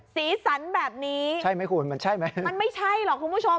สีสันแบบนี้ใช่ไหมคุณมันใช่ไหมมันไม่ใช่หรอกคุณผู้ชม